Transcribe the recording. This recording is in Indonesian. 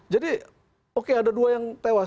jadi oke ada dua yang tewas